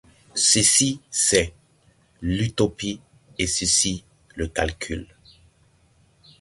Ceci, c'est. l'utopie, et ceci, le calcul